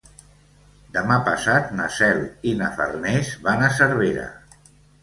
Demà passat na Cel i na Farners van a Cervera.